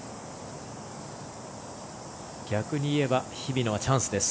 逆に言えば日比野はチャンスです。